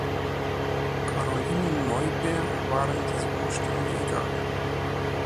Caroline Neuber waren diese Umstände egal.